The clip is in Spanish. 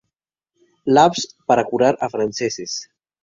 Labs para curar a Frances.